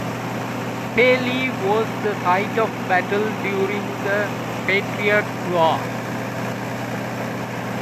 Pelee was the site of a battle during the Patriot War.